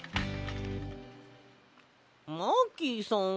マーキーさん